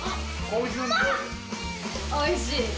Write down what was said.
おいしい？